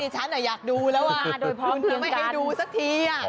ก็นี่ฉันอ่ะอยากดูแล้วอ่ะมาโดยพร้อมเพียงกัน